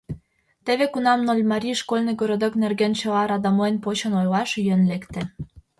Теве кунам Нольмарий школьный городок нерген чыла радамлен почын ойлаш йӧн лекте.